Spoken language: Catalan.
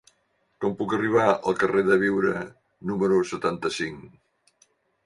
Com puc arribar al carrer de Biure número setanta-cinc?